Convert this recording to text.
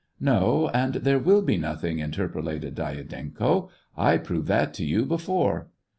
" No, and there will be nothing," interpolated Dyadenko :" I proved that to you before."